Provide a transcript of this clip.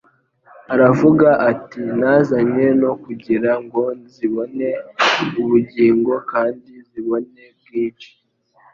Aravuga ati: «...nazanywe no kugira ngo zibone ubugingo kandi zibone bwinshi.»